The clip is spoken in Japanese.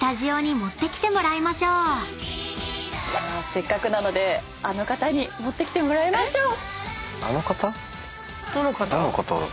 せっかくなのであの方に持ってきてもらいましょう。